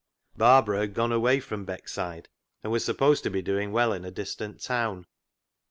Barbara had gone away from Beckside, and was supposed to be doing well in a distant town.